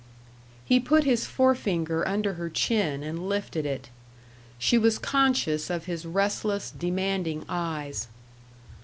He put his forefinger under her chin and lifted it. She was conscious of his restless, demanding eyes.